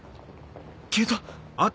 消えた？